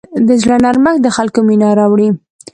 د زړه نرمښت د خلکو مینه راوړي.